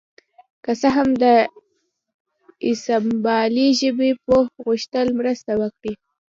که څه هم د اسامبلۍ ژبې پوه غوښتل مرسته وکړي